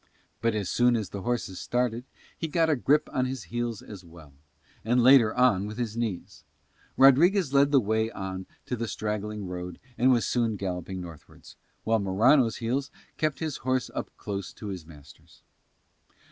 But as soon as the horses started he got a grip with his heels as well, and later on with his knees. Rodriguez led the way on to the straggling road and was soon galloping northwards, while Morano's heels kept his horse up close to his master's.